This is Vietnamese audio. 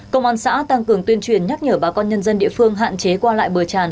công an xã tăng cường tuyên truyền nhắc nhở bà con nhân dân địa phương hạn chế qua lại bờ tràn